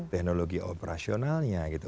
teknologi operasionalnya gitu